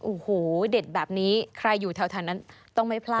โอ้โหเด็ดแบบนี้ใครอยู่แถวนั้นต้องไม่พลาด